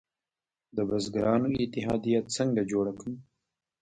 د بزګرانو اتحادیه څنګه جوړه کړم؟